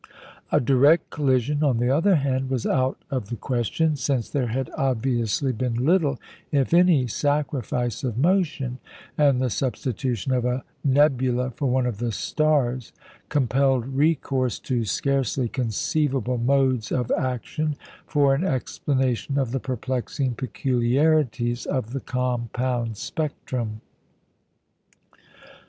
A direct collision, on the other hand, was out of the question, since there had obviously been little, if any, sacrifice of motion; and the substitution of a nebula for one of the "stars" compelled recourse to scarcely conceivable modes of action for an explanation of the perplexing peculiarities of the compound spectrum.